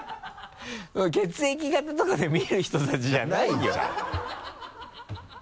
血液型とかで見る人たちじゃないよ